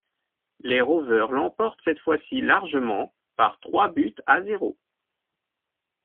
Les Rovers l'emportent cette fois-ci largement, par trois buts à zéro.